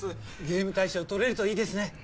ゲーム大賞とれるといいですね